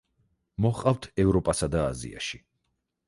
მოჰყავთ ევროპასა და აზიაში.